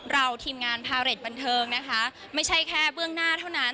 ทีมงานพาเรทบันเทิงนะคะไม่ใช่แค่เบื้องหน้าเท่านั้น